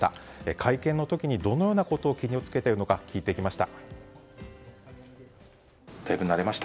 会見の時にどのようなことに気を付けているのか聞いてきました。